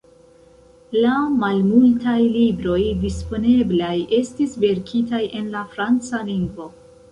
La malmultaj libroj disponeblaj estis verkitaj en la franca lingvo.